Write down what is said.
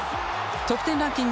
得点ランキング